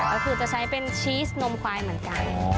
ก็คือจะใช้เป็นชีสนมควายเหมือนกัน